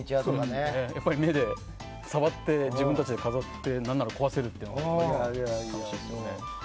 やっぱり触って自分たちで飾って何なら壊せるというのは楽しいですよね。